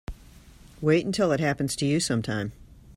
Wait until it happens to you sometime.